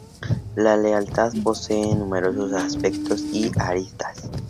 La lealtad posee numerosos aspectos y aristas.